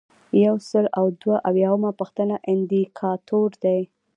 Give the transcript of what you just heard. یو سل او دوه اویایمه پوښتنه اندیکاتور دی.